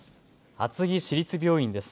厚木市立病院です。